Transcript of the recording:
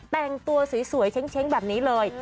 แต่งตัวสวยเช้งแบบนี้เลย